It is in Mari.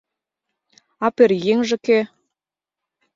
А пӧръеҥже кӧ?